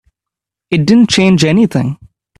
It didn't change anything.